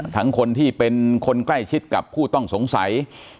คนที่เป็นคนใกล้ชิดกับผู้ต้องสงสัย